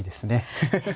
フフフ。